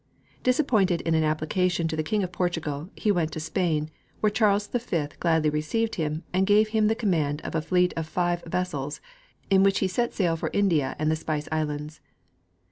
Disappointed in an application to the king of Portugal, he went to Spain, where Charles V gladly received him and gave him the command of a fleet of five vessels, in which he set sail for India and the Spice islands.